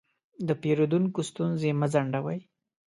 د پیرودونکو ستونزې مه ځنډوئ.